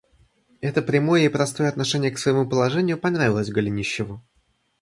Это прямое и простое отношение к своему положению понравилось Голенищеву.